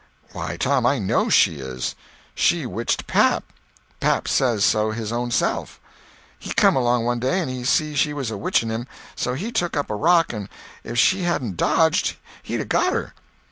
Why, Tom, I know she is. She witched pap. Pap says so his own self. He come along one day, and he see she was a witching him, so he took up a rock, and if she hadn't dodged, he'd a got her.